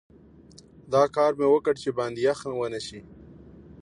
دا کار مې وکړ چې باندې یخ ونه شي.